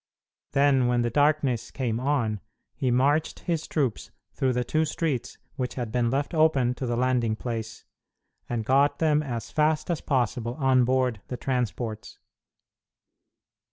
Then, when the darkness came on, he marched his troops through the two streets which had been left open to the landing place, and got them as fast as possible on board the transports.